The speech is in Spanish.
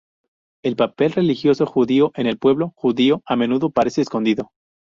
El papel religioso judío en el pueblo judío a menudo parece escondido.